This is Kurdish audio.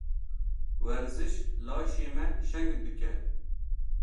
Werziş, laşê me şeng dike.